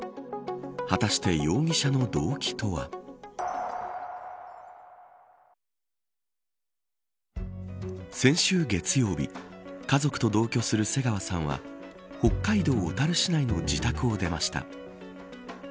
果たして、容疑者の動機とは。先週月曜日家族と同居する瀬川さんは北海道小樽市内の自宅を出ました。